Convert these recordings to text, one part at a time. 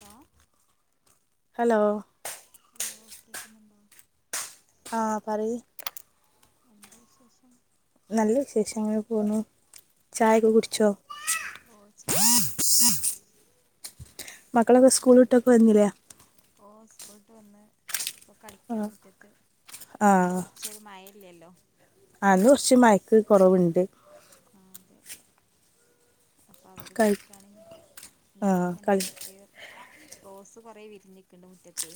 Law hello hello കേക്കുന്നുണ്ടോ ആ [unintelligible] നല്ല വിശേഷങ്ങൾ അങ്ങനെ പോകുന്നു ചായയൊക്കെ കുടിച്ചോ ഓ ചായക്ക് കുടിച്ച് മക്കളൊക്കെ സ്കൂൾ ഇട്ടൊക്കെ വരുന്നില്ലേ പോട്ട് വന്ന ഇപ്പൊ കളിക്കണം മുറ്റത്ത് ഇന്ന് കൊറച്ചൊ ഒരു മയ ഇല്ലല്ലോ അത് കുറച്ച് മയക്ക് കുറവുണ്ട് അ അപ്പൊ അവര് കളി കളിക്കാണ് ആഹ് കളി ഞാനിങ്ങനെർ റോസ് കുറ വിരിഞ്ഞിക്കണ്ട് മുറ്റത്തെ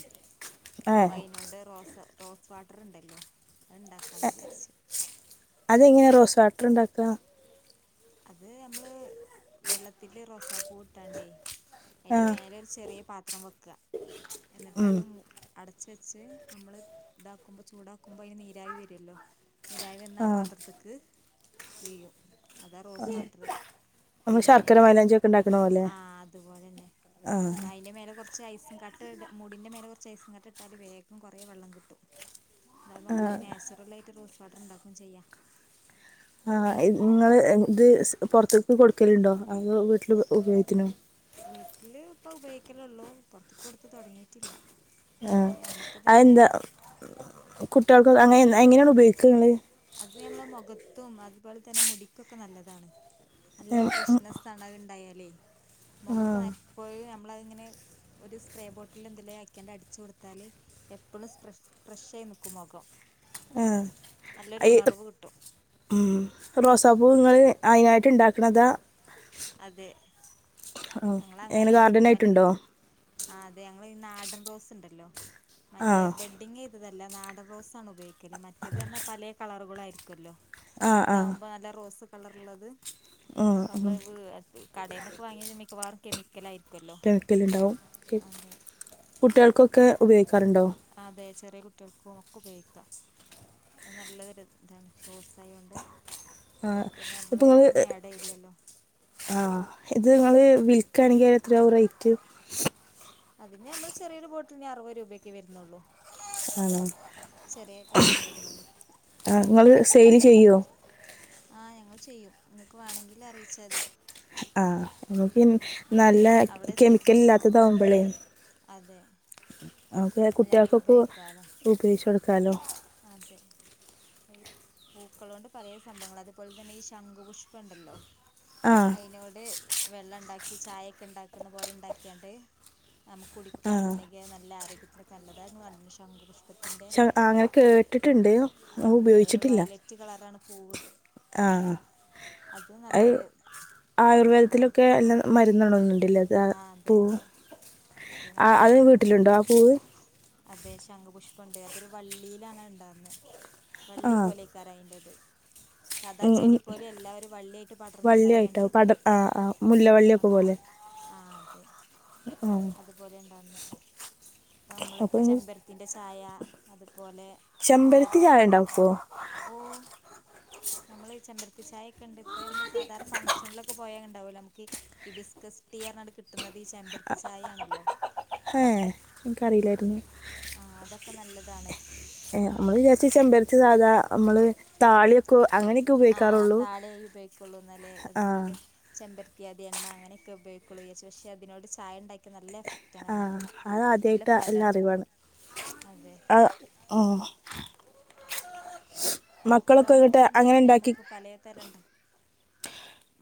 അപ്പൊ ഏഹ് അയിതിനോട് റോസ റോസ് വാട്ടർുണ്ടല്ലോ അത്ണ്ടാക്കാന്ന് വിചാരിച്ച അതെങ്ങനെ റോസ് വാട്ടർ ഉണ്ടാക്കുക അത് നമ്മള് വെള്ളത്തില് റൊസാപ്പൂ ഇട്ടാണ്ടേ എന്റെ ആഹ് മേല ഒരു ചെറിയ പാത്രം വെക്കുക എന്നിട്ട് ഉം അത് അടച്ച് വെച്ച് നമ്മൾ ഇതാക്കുമ്പോൾ ചൂടാക്കുമ്പോൾ അതിന് നീരവി വരുമല്ലോ നീരവി വന്ന ആ ആഹ് പാത്രത്തേക്ക് വീ്യും അതാണ് റോസ് വാട്ടറ് നമ്മൾ പിന്നെ ശർക്കര മൈലാഞ്ചി ഒക്കെ ഉണ്ടാക്കണ പോലെ ആഹ അതുപോലെന്നെ ആഹ് അയിന്റെ മേലെ കുറച്ച് കുറച്ച് ഐസും കാട്ട് മുടിന്റെ മേലെ കുറച്ച് ഐസും കട്ട് ഇട്ടാല് വേഗം കുറേ മൂടിന്റെ മേലെ ഐസ് ഇട്ടാൽവേഗം കുറെ വെള്ളം കിട്ടും അത്പ നമുക്ക് ആഹ് നാച്ചുറൽ ആയിട്ട് റോസ് വാട്ടർ ഉണ്ടാക്കയും ചെയ്യാം ആ നിങ്ങള് ഇത് പുൊറത്തേക്ക് കൊടുക്കലുണ്ടോ അത് വീട്ടില് ഉപയോഗിക്കുന്നുു വീട്ടില് ഇപ്പ ഉപയോഗിക്കലള്ളോ പുൊറത്ത കൊടുത്ത് തുടങ്ങിട്ടില്ല ആഹ അന്ത കു കുൾ അങ്ങനെ എങ്ങനെയാണ് ഉപയോഗിക്കുന്നത് ട്ടും അതുപോലെ തന്നെ മുടിക്കുംൊക്കെ നല്ലതാണ് നല്ല നിങ്ങൾ ഫ്രഷ്നസ് ആണ ഉണ്ടായാല പലെ മുഖക്ക ആഹ് എപ്പോഴും മ്മനെ ഒരു സ്പ്രേ ബോട്ടിൽ എല അടിച്ച കൊടുത്താൽ എപ്പഴുംഫ്രഷ കുുമകം ആഹ് നല്ലൊരു ഉണർവ് കിട്ടും റോസപ്പൂങ്ങള്ൾ അതിനതിനായിട്ട് ഇണ്ടാക്കണതാ അതെ ആഹ് എങ്ങനെ നിങ്ങളങ്ങനെ മറ്റ ഗാർഡനായിട്ടുണ്ടോ ആ അതെ നമ്മന്ന് നാടൻറോസ് ഉണ്ടല്ലോ മറ്റേ ആഹ് ബെഡങ് ഇതല്ല എല്ല നാടൻറോസണ് ഉപയോഗിക്കുന്നത് മറ്റത് തന്നെ പല കളറ അവളായിരിക്കല്ലോ ഇതാവുമ്പോ നല്ല റോസ കളറുള്ളത്. ആ ആഹ്. കടന്നൊക്കെ വാങ്ങിയ മിക്കവാറും കെമിക്ക ക്കാല്ലാരിക്കും. തെള്ളൂക്കൽലുണ്ടാവും. കുട്ടികൾക്കൊക്കെ ഉപയോഗിക്കാറുണ്ടോ? കുറേ കുട്ടികൾക്കും ഒക്കെ ഉപയോഗിക്കാം അത് നല്ലതൊരു ഇതാണ് റോസായാ കൊണ്ട്. ആ ഇപ്പോ ആഡ് ചെയ്യില്ലല്ലോ ആഹ് ഇത് നിങ്ങള് വിൽക്കയാണെങ്കിൽ എത്രയാ റേറ്റ്. അതിന് നമ്മള് ചെറിയൊരു ബോട്ടിലിനു അറുപത് രൂപയൊക്കെ വരുന്നുള്ളൂ. ആണോ ചെറിയ ക്യാഷേ വരുന്നുള്ളൂ ആ നിങ്ങൾ സെയിൽ ചെയ്യോ? ആ ഞങ്ങൾ ചെയ്യും നിങ്ങക്ക് വേണങ്കില് അറിയിച്ചാ മതി. ആഹ് പി ഞങ്ങൾ നല്ല അവിടെ എത്തിക്കും കെമിക്കൽ ഇല്ലാത്തതാവുമ്പോളേ അതെ അമ എല്ലാവർക്കും കുട്ടികൾക്കൊക്കെ ഉപയോഗിക്കാലോ ഉപയോഗിച്ച കൊടുക്ക ഹലോ അതെ ഈ പൂക്കള കൊണ്ട് പഴയ സംഭവങ്ങൾ അതേപോലെ തന്നെ ഈ ശംഖു പുഷ്പണ്ടല്ലോ ആഹ് അയിനോട് വെള്ളം ഇണ്ടാക്കി ചായയൊക്കെ ഇണ്ടാക്കുന്ന പോലെ ഇണ്ടാക്കിയാണ്ട് നമുക്ക് ആഹ് കുടിക്കുകയാണെന്നുണ്ടെങ്കിൽ അത് നല്ല ആരോഗ്യത്തിന് നല്ലതാണ് അത് നിങ്ങള് [unintelligible] ശംഖു പുഷ്പ ശ ആ അങ്ങനെ കേട്ടിട്ടുണ്ട്‌ [unintelligible] അതെ ഒരു ഉപയോഗിച്ചിട്ടില്ല വയലറ്റ് കളറാണ് പൂവ് ആഹ് അത് ആയുർവേദത്തിലൊക്കെ മരുന്നാണ് ൻ്റെ മ തിന്നാണോ നിങ്ങള് ഇല്ല ത് ആഹ് അതെ പൂവ് അതെ അതെ നല്ല അത് മരുന്നാണ് വീട്ടിലുണ്ടോ ആ പൂവ് അതെ ശംഖപുഷ്പുണ്ട് അതൊരു വള്ളിയിലാണ് ഇണ്ടാവുന്നെ. ആ വള്ളി പോലെയാക്കാരായിന്റത്. ഉം വള്ളിയായിട്ട് വള്ളിയായിട്ടോ പടർന്നുണ്ടായാണ്ട് പടം ആ ആഹ് മുല്ലവള്ളിയൊക്കെ പോലെ. അങ്ങനെയാണ് ആഹ് അതെ ആ അതുപോലെ ഇണ്ടാക്കുന്നേ. ആ നമ്മളിപ്പം അപ്പോൾ ചെമ്പരത്തിന്റെ ചായ അത് അതു പോലെ ചെമ്പരത്തി അതുപോ ചായ ഉണ്ടാവും ഇപ്പോൾ ഓ നമ്മള് ഇ ചെമ്പരത്തി ചായക്കെണ്ട്. ഇപ്പ നമ്മ സാധാരണ ഫംഗഷനിലൊക്കെ പോയങ്ങ ണ്ടാവൂല നമുക്ക് ഈ ബിസ്കസ് ടി [unintelligible] കിട്ടുന്നത്. ഈ ചെമ്പരത്തി ചായയാണല്ലോ ഹേ എനക്കറിയില്ലാരുന്നു ആ അതൊക്കെ നല്ലതാണ് ഏ അമ്മള് വിചാരിച്ച് ചെമ്പരത്തി സാധാ അമ്മള് താളിയൊക്കെ അങ്ങനെയൊക്കെ ആ ഉപയോഗിക്കാറുള്ളൂ താളിയായി ഉപയോഗിക്കുള്ളൂന്നല്ലേ ആ [unintelligible] ചെമ്പര അതെയതെ എണ്ണ അങ്ങനൊക്കെ ഉയോഗിക്കുള്ളൂ വിചാരിച്ച് പക്ഷെ അതിനോട് ചായണ്ടാ ആ അതാദ്യായിട്ട എല്ല ഫലാണ് അറിവാണ് അതെ അം മ് പൂക്കളോണ്ടന്നെ ഇങ്ങോട്ട് തന്നെ അങ്ങനെ ഉണ്ടാക്കി ഞമ്മക്ക് പലേ തരം എണ്ടാക്കാ.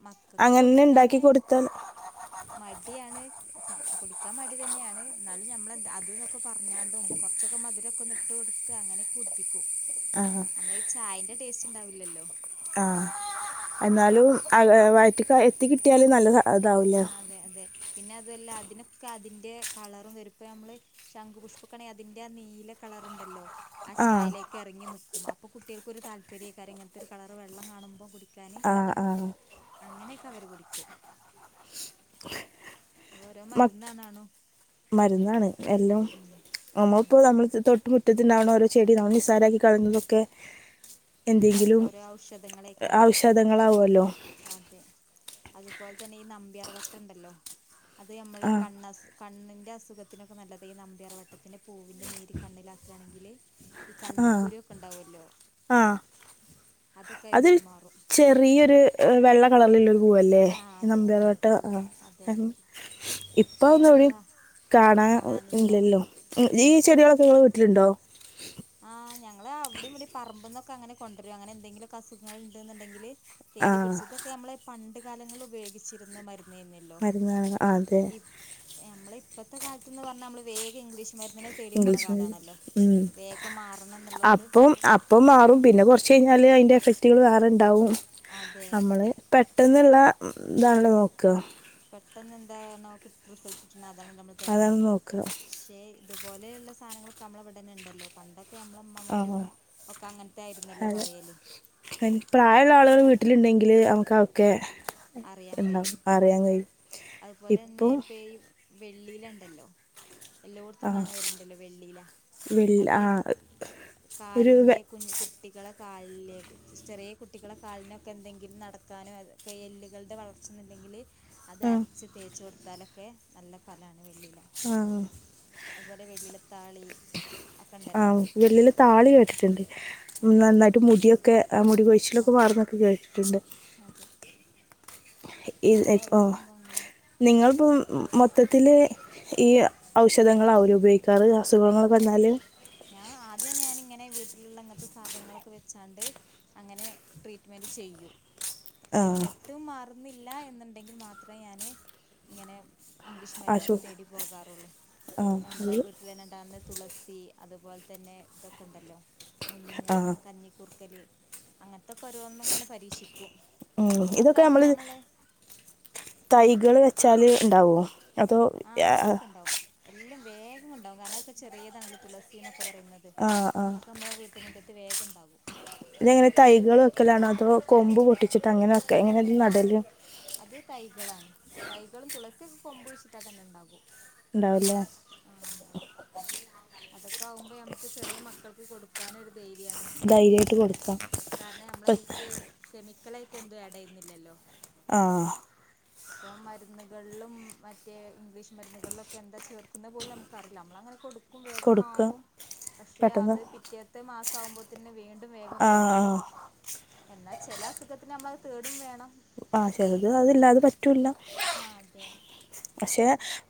മക്കക്ക് അങ്ങനെ ഉണ്ടാക്കി കുടിക്കാന്. കൊടുത്താൽ എണ്ടാക്കി കൊടുത്താൽ മടിയാണ്. സം കുടിക്കാൻ മടി തന്നെയാണ്. എന്നാലും ഞമ്മള് അത്ഇതൊക്കെ ‌ പറഞ്ഞാണ്ടും കുറച്ചൊക്കെ മധുരൊക്കൊന്നിട്ട് കൊടുത്ത് അങ്ങനെയൊക്കെ കുടിപ്പിക്കും. അഹാ നമ്മള ഈ ചായന്റെ ടേസ്റ്റ് ണ്ടാവില്ലല്ലോ ആഹ് എന്നാലും അതെ വയറ്റ്ക്കായി തഎത്തി കിട്ടിയാലും നല്ലതാ ആഹ് അതെ അതെ പിന്നെ അതുല്ല അതിനൊക്കെ അതിന്റെ കളറും വരുമ്പൊ നമ്മള് ശംഖു പുഷ്പക്കണെ അതിന്റെ ആ നീല കളറുണ്ടല്ലോ ആ ചായലേക്ക് ഇറങ്ങി നിക്കും അപ്പൊ കുട്ടികൾക്കൊരു താല്പര്യേക്കാരം ഇങ്ങൻത്തെ ഒരു കളർ വെള്ളം കാണുമ്പോ കുടിക്കാന് ആ ആ അങ്ങനെയൊക്കെ അവര് കുടിക്കും ഓരോ മക്- മരുന്നാണാണും മരുന്നാണ് എല്ലും ഉം അമ്മള്പ്പോ അതെ നമ്മൾ തൊട്ട്മുറ്റത്തിണ്ടാവണ ഓരോ ചെടി നമ്മൾ നിസ്സാരാക്കി കളയുന്നതൊക്കെ എന്തെങ്കിലും ഓരോ ഔഷധങ്ങളേക്കാരം ഔഷധങ്ങളാവോല്ലോ അതെ അതുപോലെ തന്നെ ഈ നമ്പിയാർവട്ടണ്ടല്ലോ അത് നമ്മളെ ആ കണ്ണസ് കണ്ണിന്റെ അസുഖത്തിനൊക്കെ നല്ലതാ ഈ നമ്പിയാർവട്ടത്തിന്റെ പൂവിന്റെ നീര് കണ്ണിലാക്കാണെങ്കില് ഈ ആ കണ്ണിൽകുരൊക്കെ ഇണ്ടാവല്ലോ അത് അയിനോട് മാറും ചെറിയൊരു വെള്ള കളറിലുള്ള പൂവല്ലേ ആഹ് അതെ അതെ നമ്പിയാർവട്ട അതെ ആഹ് ഇപ്പ അതോന്നൊവിടിം ഇപ്പോഴല്ല കാണാ കാണാനില്ല ഇല്ലല്ലോ ആഹ് ഈ ചെടികളൊക്കെ നിങ്ങളെ വീട്ടിലുണ്ടോ ആഹ് ഞ ങ്ങള് അവിടിവിടിം പറമ്പ്ന്നൊക്കെ അങ്ങനെ കൊണ്ടരാ അങ്ങനെ എന്തെങ്കിലും അസുഖങ്ങള് ഇണ്ട്ന്ന്ണ്ടങ്കില് ആ തേടി പിടിച്ച് ഇതൊക്കെ ഞമ്മളെ പണ്ട് കാലങ്ങൾ ല് ഉപയോഗിച്ചിരുന്ന മര് ന്നേന്നില്ലോ മരുന്നാണ് ആ അതെ ഇ നമ്മള് ഇ പ്പത്തെ കാലത്ത്ന്ന് പറഞ്ഞാ നമ്മള് വേഗം ഇംഗ്ലീഷ് മര് ഇംഗ്ലീഷ് മീഡിയം ഉം വേഗം മാറണം എന്നുള്ളോണ്ട് അപ്പം അപ്പം മാറും പിന്നെ കുറച്ച് കഴിഞ്ഞാല് അതിന്റെ എഫക്ടീവ് വേറണ്ടാവും ഉണ്ടാവും. അതെ നമ്മള് പെ ട്ടെന്നുള്ള ഉം ഇതാണല്ലോ നോക്കാ പെട്ടെന്ന് എന്താകാനോ ക് ട്ട് റിസൾട്ട് ട്ട് അതാണല്ലോ നമ്മൾ അതാണ് തിരഞ്ഞെടുക്കാ നോക്കുക ക്ഷെ ഇത് പോലെയുള്ള സാനങ്ങളൊക്കെ നമ്മളവടെന്നെ ണ്ടല്ലോ പണ്ടൊ ആഹ് ആയിരുന്നല്ലോ അതെ പറയല് അയ്ന് പ്രായള്ള ആളുകൾ വീട്ടിലുണ്ടെങ്കിൽ നമക്കവ ക്കെ അറിയാൻ എന്താ കഴിയും അറിയാൻ കഴിയും ഇപ്പം വെള്ളിയിലണ്ടല്ലോ എല്ലോട്ത്തും ആ കാണാ വരല്ണ്ടല്ലോ വെള്ളിലാ. വെള്ളി അത് ആ ഈ ഒരു കാലിന്റെ കുഞ്ഞ് കു കുട്ടികളെ കാലിലെ ചെറിയ കുട്ടികളെ കാലിനൊക്കെ എന്തെങ്കിലും നടക്കാനോ അതൊക്കെ എല്ല് കൾടെ വളർച്ചൊന്നല്ലെങ്കില് അത് ആ അരച്ച് തേച്ച് കൊടുത്താലൊക്കെ നല്ല ഫലാണ് വെള്ളില. ആ അതുപോലെ വെള്ളിലത്താളി ഒക്കെ ആ ഉണ്ടല്ലോ വെള്ളില താളി കേട്ടിട്ട്ണ്ട്. അതെ നന്നായിട്ട് മുടിക്ക് മുടിയൊക്കെ ആ മുടി കൊഴിച്ചിലൊക്കെ അതെ മാറുന്നൊക്കെ കേട്ടിട്ട്ണ്ട്. അതെ ഇത് അങ്ങനെ ഇപ്പോ ഓരോ സംഭവങ്ങളുണ്ട് നിങ്ങള്‌പ്പം മൊത്തത്തില് ഈ ഔഷധങ്ങൾ ആവൂലെ ഉപയോഗിക്കാറ് ആ അസുഖങ്ങളൊക്കെ അതെ വന്നാല്. ട്ട്ല്ള്ള ഇങ്ങൻത്തെ സാധനങ്ങളൊക്കെ വെച്ചാണ്ട് അങ്ങനെ ട്രീറ്റ്മെന്റ് ചെയ്യും. ആ എന്നിട്ടും മാറ് ന്നില്ല എന്നുണ്ടെങ്കിൽ മാത്രേ ഞാന് ഇങ്ങനെ ഇംഗ്ലീഷ് ആശു മരുന്നൊക്കെ തേടി പോകാറുള്ളു. ആ നമ്മളെ അത് വീട്ടിലന്നെ ഉണ്ടാകുന്ന തുളസി അതുപോലെ തന്നെ ഇതൊക്കെ ണ്ടല്ലോ. മുഞ്ഞ, ആ കഞ്ഞിക്കൂർക്കല് അങ്ങനത്തൊക്കെ ഓരോന്നും ഇങ്ങനെ പരീക്ഷിക്കും. ഉം അതൊക്കെ ഇതൊക്കെ ഞം മ്മള് നമ്മള് തൈകള് വെച്ചാല് ഇണ്ടാവോ അതോ ആഹ് എഹ് അതൊക്കെ ഉണ്ടാവും എല്ലാം വേഗം ഉണ്ടാവും കാനൊക്കെ ചെറിയതാണ് തുളസീന്നൊ ഒക്കെ പറയുന്നത് ആ ആ ഒക്കെ നമ്മെ വീട്ടുമുറ്റത്ത് വേഗം ഉണ്ടാകും ഇതെങ്ങനെ തൈകൾ വെക്കെല്ലാണോ അതോ കൊമ്പ് പൊട്ടിച്ചിട്ട് അങ്ങനെയൊക്കെ എങ്ങനെ നടല് അത് തൈകളാണ് തൈകളും തുളസിയൊക്കെ കൊമ്പ് കുയിച്ചിട്ട തന്നെ ണ്ടാകും ണ്ടാവുല്ലേ അതൊക്കെ ആവുമ്പോ നമുക്ക് ചെറിയ മക്കൾക്ക് കൊടുക്കാനും പേര്യാണ് ധൈര്യമായിട്ട് കൊടുക്കാം കാരണം നമ്മളയ്ക്ക് കെമിക ക്കളായിട്ടെന്തും ആഡെയ്യുന്നില്ലല്ലോ ആഹ് ഇപ്പൊ മരുന്നുകളിലും മറ്റേ ഇംഗ്ലീഷ് മരുന്നുകളിലൊക്കെ എന്താ ചേർക്കുന്നത് പോലും നമുക്കറിയില്ല നമ്മളങ്ങനെ കൊടുക്കും വേംഗം കൊടുക്കുക മാറും പക്ഷെ പെട്ടെന്ന് അത് പിറ്റേത്തെ മാസ സാവുമ്പോത്തിന് വേം വേഗം ആ വരും എന്നാൽ ചില അസുഖത്തിന് നമ്മളത് തേടും വേണം ആ ചെലത് അതില്ലാതെ പറ്റ് റ്റുല്ല ആ അതെ പക്ഷെ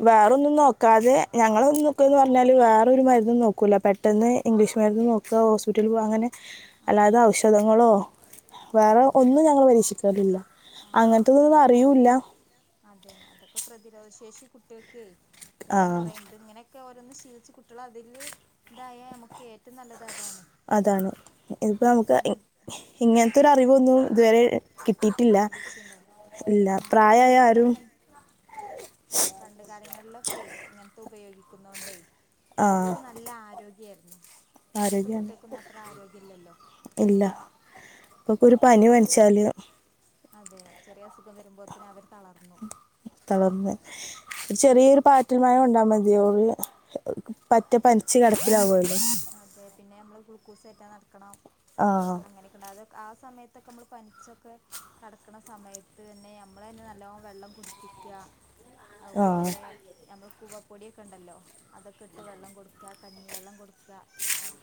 വേറൊന്നും നോക്കാതെ ഞങ്ങളൊന്ന്ക്കെ പർഞ്ഞാല് വേറൊരു മര്ന്നും നോക്കൂല്ല പെട്ടെന്ന് ഇംഗ്ലീഷ് മരുന്ന് നോക്ക ഹോസ്പിറ്റൽ പോക അങ്ങനെ അല്ലാതെ അതെ ഔഷധങ്ങളോ വേറെ ഒന്നും ഞങ്ങള് പരീക്ഷിക്കാറില്ല അങ്ങനത്തതൊന്നും അങ്ങനത്തെതൊന്നും അറിയൂല അതെ അതൊക്കെ പ്രതിരോധ ശേഷി കുട്ട്യേക്കെ വേഗം ആ കൊറിം ത് ഇങ്ങനെ ഓരോന്ന് ശീലിച്ച് കുട്ട്യേള് അതില് ഇതായ നമുക്ക് ഏറ്റവും നല്ലത് അതാണ് അതാണ് ഇതിപ്പോ അതാണ് നമുക്ക് ഇങ് ഇതൊന്നും ഇങ്ങനത്തെ ഒരു അറിവ് ഒന്നും ഇതുവരെ കിട്ട് കിട്ടിട്ടില്ല ലഭിച്ചിണ്ടാവില്ല ഇല്ല പണ്ട് പ്രായമായ ആരും കാലങ്ങളിലൊക്കെ ങ്ങളിലൊക്കെ ഇങ്ങനത്തെ ഉപയോഗിക്കുന്നോണ്ടേ ആ അവർക്കൊക്കെ നല്ല ആരോഗ്യയിരുന്നു ഇപ്പത്തെ ആരോഗ്യമാണ് കുട്ടിക്കൊന്നും അത്ര ആരോഗ്യ ഇല്ലല്ലോ ഇപ്പൊക്കൊരു പനി പൻച്ചാല് അതെ ചെറിയ അസുഖം വരുമ്പോത്തിന് അവര് തളർന്നു തളർന്ന് ഒരു ചെറിയൊരു പാറ്റൽമഴ കൊണ്ടാ മതി ഓള് പറ്റെ പൻ ച്ചി കിടപ്പിലാകൊല്ലോ കുസേറ്റാൻ നടക്കണം അങ്ങനൊക്കെ ണ്ടാതെ ആ സമയത്തൊക്കെ നമ്മള് പനിച്ചൊക്കെ കടക്കണ സമയത്ത് തന്നെ നമ്മളന്നെ നല്ലോ വെള്ളം കുടിപ്പിക്ക ആ അതുപോലെ നമ്മള് കുവപ്പൊടിയൊക്കെ ഉണ്ടല്ലോ അതൊക്കെ ഇട്ട് വെള്ളം കൊടുക്ക കഞ്ഞിവെള്ളം കൊടുക്കുക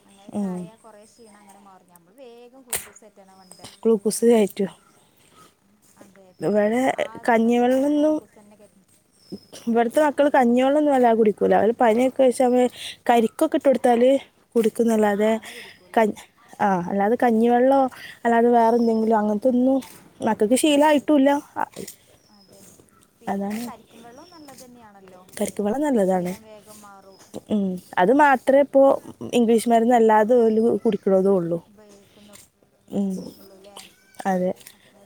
അങ്ങനെയൊക്കെ ആയ കുറ ണ അങ്ങനെ മാറ നമ്മൾ വേഗ ഗ്ലൂക്കോ ഗ്ലുക്കോസ് കയറ്റുവാ അതെ പിന്നെ ആ അസുഖത്തിന് ചെലപ്പംഗ്ലുക്കോസ് തന്നെ ക ഇവിടത്തെ മക്കൾ കഞ്ഞിവെള്ളംന്നും വല്ലാ കുടിക്കൂല അവര് പനിയൊക്കെ വെച്ച വേം കരിക്കൊക്ക ഇട്ട് കൊടുത്താല് കുടിക്കുന്നുല്ലാതെ അങ്ങനെ ക കുടിക്കൂല്ലേ ആഹ് അല്ലാതെ കഞ്ഞിവെ ള്ളോ അല്ലാതെ വേറെന്തെങ്കിലും അങ്ങനത്തെൊന്നും മക്കൾക്ക് കുടിക്കില്ല ശീലമായിട്ടുംല്ല അതാണ് ക്കും വെള്ളവും നല്ലതെന്നെയാണല്ലോ കരിക്ക് വെള്ളം നല്ലതാണ് ക്ഷീണം വേഗം മാറും ഇപ്പോ ഇംഗ്ലീഷ് മരുന്ന് അല്ലാതെ ഓല് കുടി ക്കണതൊള്ളൂ ഉള്ളൂല്ലേ അപ്പൊ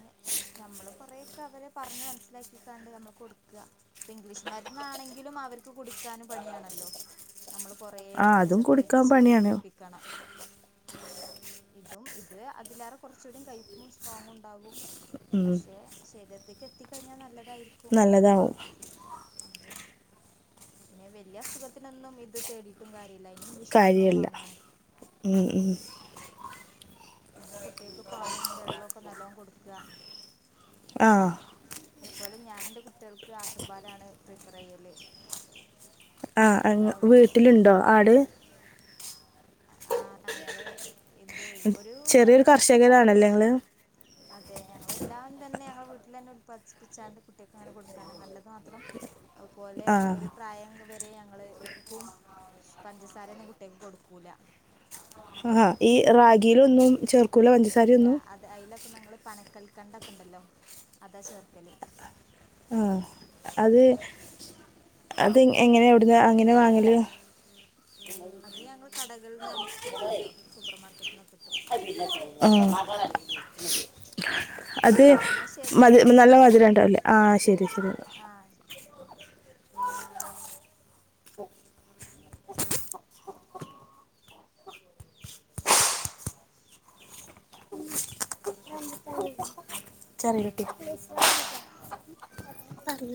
ഞമ്മള് കൊറേക്കെ അവരെ പറഞ് മനസ്സിലാക്കിക്കാണ്ട് നമ്മള് കൊടുക്ക ഇപ്പ ഇംഗ്ലീഷ് മരുന്നാണെങ്കിലും അവർക്ക് കുടിക്കാന് പണിയാണല്ലോ നമ്മള് കൊറേ ആ അതും പിടിച്ചൊക്കെ കുടിക്കാൻ വെച്ച് പണിയാണ് കുടിപ്പിക്കണം ഇതും ഇത് അതിലാറെ കൊറച്ചൂടി കയപ്പും സ്ട്രോങ്ങും ഉണ്ടാകും ഉം. പക്ഷെ ശരീരത്തി എത്തി കഴിഞ്ഞാ നല്ലത് യിരിക്കും നല്ലതാവും നല്ലതാ അതെ പിന്നെ വല്ിയ അസുഖത്തിനൊന്നും ഇത് തേടിട്ടും കാര്യ കാര്യല്ല ഉം ഉം പിന്നെ കുട്ട് ട്ടികക്ക് പാലും വെള്ളോക്കെ നല്ലോം കൊടു ആഹ് അതുപോലെ ഞാന് ന്റെ കുട്ട്യേൾക്ക് ആട്ടുംപാലാണ് പ്രിഫറെയ്യല് ആഹ് അങ്ങ് വീട്ടിലുണ്ടോ ആട്? ആഹ് ഞങ്ങള് ഇന്തേ ഒരു ചെറിയൊരു രണ്ട് വയസ്സൊക്കെയ്ഞ് കർഷകരാണല്ലേ ക്ഷെ. ഇങ്ങള് അതെ ഞങ്ങളെല്ലാം തന്നെ ഞങ്ങ വീട്ടിൽ തന്നെ ഉല്പാദിപ്പിച്ചാണ്ട് കുട്ടികൾക്ക് അങ്ങനെ കൊടുക്കാണ് നല്ലത് മാത്രം അതുപോലെ ആ ഒരു പ്രായം അങ്ങ് വരും ഞങ്ങള് ഉപ്പും പഞ്ചസാര ഒന്നും കുട്ടിക കൊടുക്ക അല്ല ആഹാ ഈ റാഗിയിലൊന്നും ചേർ ഇല്ല അത് അയില് ങ്ങള്ൾ പനക്കൽക്കണ്ട ഒക്കെ ഉണ്ടല്ലോ അതാ ചേർക്കല് ആ അത് അത് എങ്ങനെ എവിടുന്ന് അങ്ങനെ വാങ്ങല് അത് ഞങ്ങള്ൾ കട ഇൽ നിന്ന് നമുക്ക് കിട്ടല്ലോ സൂപ്പർ മാർക്കറ്റ നിന്ന് കിട്ടും ഉം അത് എന്നാ മതി ശരിട്ടോ നല്ല മധുരം ഉണ്ടാവല്ലേ ആ ശരി ശരി ആഹ് ശരി ചെറിയികൊട്ടി